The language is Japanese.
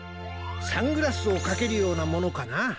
サングラスをかけるようなものかな。